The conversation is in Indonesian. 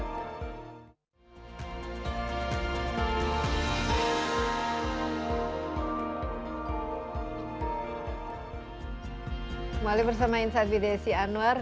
kembali bersama insight bdsi anwar